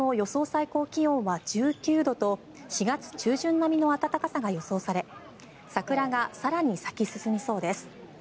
最高気温は１９度と４月中旬並みの暖かさが予想され桜が更に咲き進みそうです。